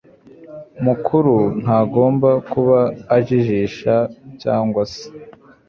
makuru ntagomba kuba ajijisha cyangwa se